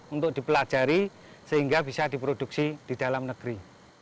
untuk dipelajari sehingga bisa diproduksi di dalam negeri